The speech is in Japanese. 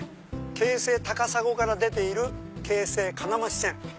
京成高砂から出ている京成金町線。